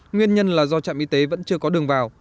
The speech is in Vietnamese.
nguyên nhân là do trạm y tế vẫn chưa có đường vào